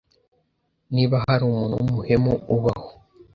Niba hari umuntu w’umuhemu ubaho